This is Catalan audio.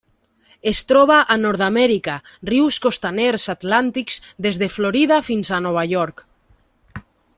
Es troba a Nord-amèrica: rius costaners atlàntics des de Florida fins a Nova York.